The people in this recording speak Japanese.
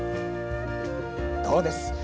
どうです？